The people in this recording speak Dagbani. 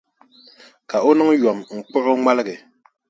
Ka o niŋ yom n-kpuɣi o ŋmaligi.